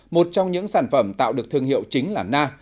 một trong những sản phẩm tạo được thương hiệu chính là na